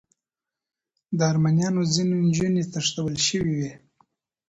د ارمنیانو ځینې نجونې تښتول شوې وې.